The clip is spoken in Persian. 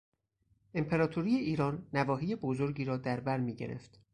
امپراطوری ایران نواحی بزرگی را در بر می گرفت.